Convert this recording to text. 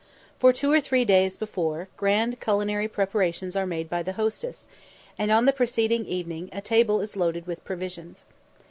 For two or three days before, grand culinary preparations are made by the hostess, and on the preceding evening a table is loaded with provisions.